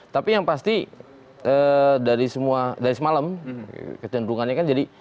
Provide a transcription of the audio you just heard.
tapi yang pasti dari semalam ketentungannya kan jadi